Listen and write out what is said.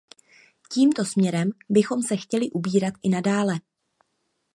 Tímto směrem bychom se chtěli ubírat i nadále.